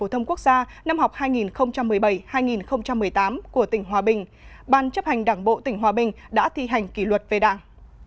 thông quốc gia năm học hai nghìn một mươi bảy hai nghìn một mươi tám của tỉnh hòa bình ban chấp hành đảng bộ tỉnh hòa bình đã thi hành kỷ luật về đảng